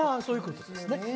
そういうことですね